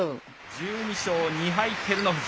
１２勝２敗、照ノ富士。